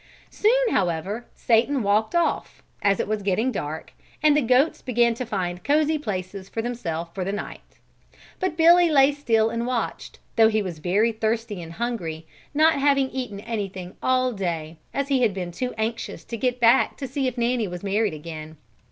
Soon, however, Satan walked off, as it was getting dark, and the goats began to find cozy places for themselves for the night. But Billy lay still and watched, though he was very thirsty and hungry, not having eaten anything all day, as he had been too anxious to get back to see if Nanny was married again.